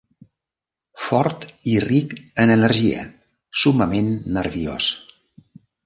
Fort i ric en energia, summament nerviós.